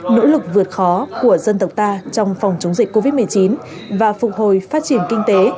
nỗ lực vượt khó của dân tộc ta trong phòng chống dịch covid một mươi chín và phục hồi phát triển kinh tế